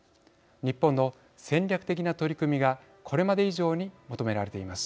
日本の戦略的な取り組みがこれまで以上に求められています。